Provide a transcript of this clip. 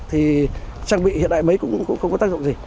thì trang bị hiện đại mấy cũng không có tác dụng gì